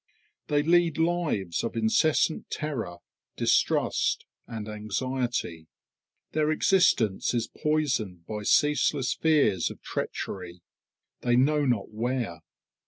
They lead lives of incessant terror, distrust, and anxiety. Their existence is poisoned by ceaseless fears of treachery, they know not where.